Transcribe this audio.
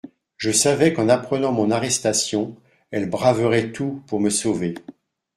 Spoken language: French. Je savais qu'en apprenant mon arrestation elle braverait tout pour me sauver.